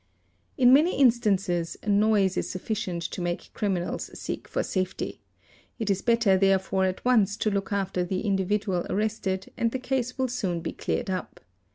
In many instances a noise is sufficient to make criminals seek for safety ; it is better therefore at once to look after the individual arrested and the case will soon be cleared up.